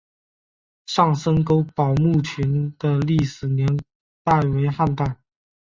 上深沟堡墓群的历史年代为汉代。